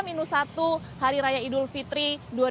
minus satu hari raya idul fitri dua ribu dua puluh